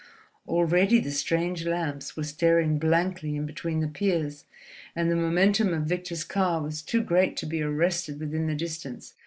Already the strange lamps were staring blankly in between the piers—and the momentum of Victor's car was too great to be arrested within the distance.